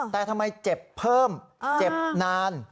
แต่ทำไมเจ็บเพิ่มเจ็บนาน